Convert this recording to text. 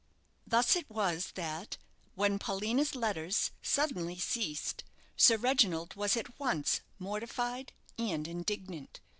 Thus it was that, when Paulina's letters suddenly ceased, Sir Reginald was at once mortified and indignant.